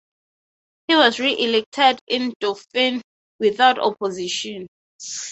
He was re-elected in Dauphin without opposition.